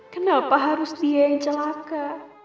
kenapa harus dia yang celaka